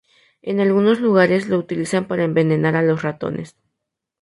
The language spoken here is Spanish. En algunos lugares lo utilizan para envenenar a los ratones.